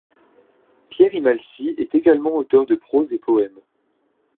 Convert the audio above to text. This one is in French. Pierre Imhasly est également auteur de proses et poèmes.